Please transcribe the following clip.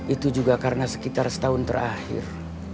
itu juga karena sekitar setahun terakhir